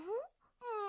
うん。